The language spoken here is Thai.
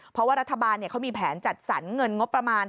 เพราะว่ารัฐบาลเขามีแผนจัดสรรเงินงบประมาณ